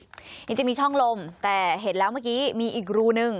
จริงจะมีช่องลมแต่เห็นแล้วเมื่อกี้มีอีกรูนึง